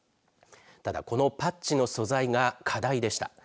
ただ、このパッチの素材が課題でした。